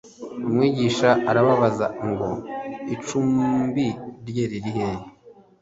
umwigisha arababaza ngo icumbi rye riri hehe